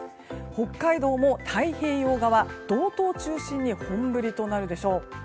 北海道も太平洋側や道東を中心に本降りとなるでしょう。